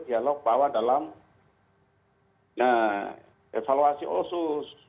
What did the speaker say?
dialog bahwa dalam evaluasi osus